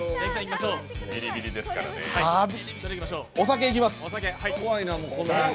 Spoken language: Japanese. お酒いきます！